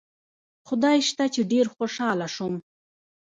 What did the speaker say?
خدای شته چې ډېر خوشاله شوم.